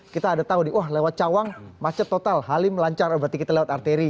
kita ada tahu nih wah lewat cawang macet total halim lancar berarti kita lewat arteri